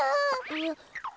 えっ？